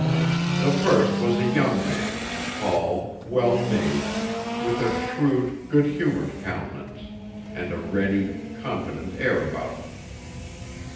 The first was a young man, tall, well made, with a shrewd, good humored countenance, and a ready, confident air about him.